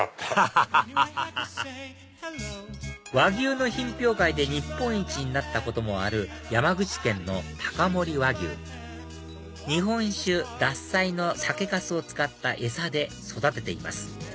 ハハハハハ和牛の品評会で日本一になったこともある山口県の高森和牛日本酒獺祭の酒かすを使った餌で育てています